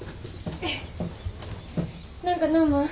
何か飲む？